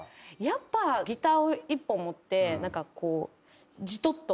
やっぱギターを１本持って何かこう。